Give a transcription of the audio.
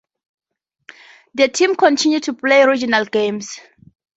The team continued to play regional games.